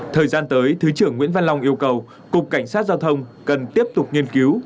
thời gian tới thứ trưởng nguyễn văn long yêu cầu cục cảnh sát giao thông cần tiếp tục nghiên cứu